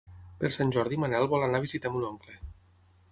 Per Sant Jordi en Manel vol anar a visitar mon oncle.